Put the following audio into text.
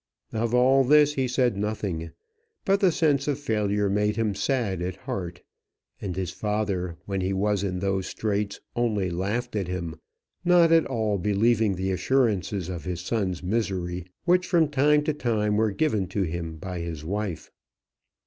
Of all this he said nothing; but the sense of failure made him sad at heart. And his father, when he was in those straits, only laughed at him, not at all believing the assurances of his son's misery, which from time to time were given to him by his wife.